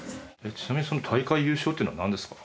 ちなみにその「大会優勝」っていうのはなんですか？